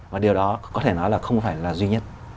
và điều đó có thể nói là không phải là duy nhất